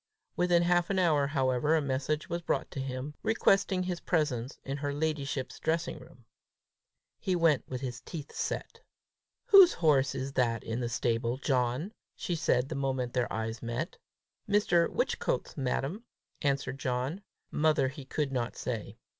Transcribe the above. Within half an hour, however, a message was brought him, requesting his presence in her ladyship's dressing room. He went with his teeth set. "Whose horse is that in the stable, John?" she said, the moment their eyes met. "Mr. Whichcote's, madam," answered John: mother he could not say.